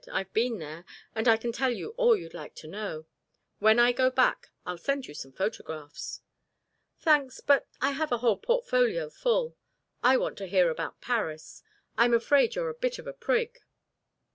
"I've been there, and can tell you all you'd like to know. When I go back, I'll send you some photographs." "Thanks but I have a whole portfolio full. I want to hear about Paris. I'm afraid you're a bit of a prig."